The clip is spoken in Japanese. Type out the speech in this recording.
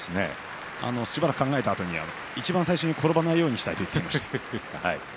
しばらく考えたあとにいちばん最初に転ばないようにしたいと言っていました。